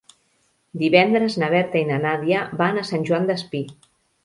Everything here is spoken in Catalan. Divendres na Berta i na Nàdia van a Sant Joan Despí.